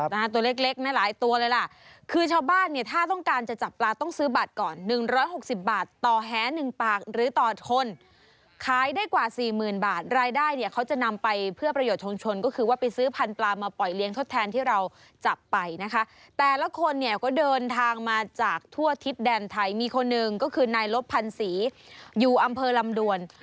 ตัวเล็กนะหลายตัวเลยล่ะคือชาวบ้านเนี่ยถ้าต้องการจะจับปลาต้องซื้อบัตรก่อน๑๖๐บาทต่อแฮนึงปากหรือต่อคนขายได้กว่า๔๐๐๐๐บาทรายได้เนี่ยเขาจะนำไปเพื่อประโยชน์ชนก็คือว่าไปซื้อพันธุ์ปลามาปล่อยเลี้ยงทดแทนที่เราจับไปนะคะแต่ละคนเนี่ยก็เดินทางมาจากทั่วทิศแดนไทยมีคนหนึ่งก็คือในรถพัน